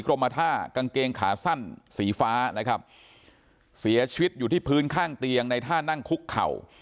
กรมท่ากางเกงขาสั้นสีฟ้านะครับเสียชีวิตอยู่ที่พื้นข้างเตียงในท่านั่งคุกเข่า